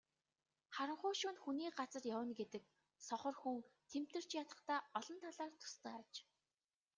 Харанхуй шөнө хүний газар явна гэдэг сохор хүн тэмтэрч ядахтай олон талаар төстэй аж.